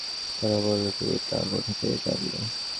তারা বলল, তুমি তা কোথা থেকে জানলে?